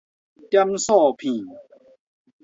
點數片